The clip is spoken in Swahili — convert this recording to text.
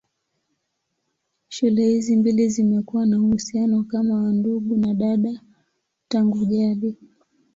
Shule hizi mbili zimekuwa na uhusiano kama wa ndugu na dada tangu jadi.